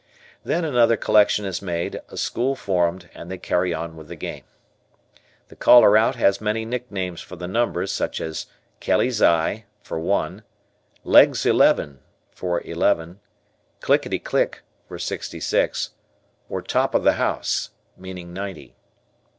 Then another collection is made, a school formed, and they carry on with the game. The caller out has many nicknames for the numbers such as "Kelly's Eye" for one, "Leg's Eleven" for eleven, "Clickety click" for sixty six, or "Top of the house" meaning ninety.